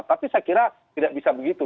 tapi saya kira tidak bisa begitu